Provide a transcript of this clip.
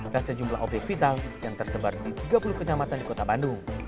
dan sejumlah obyek vital yang tersebar di tiga puluh kenyamatan di kota bandung